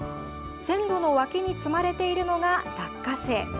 線路の脇に積まれているのが、落花生。